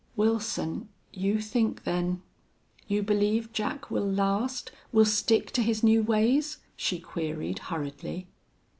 "Wilson, you think then you believe Jack will last will stick to his new ways?" she queried, hurriedly.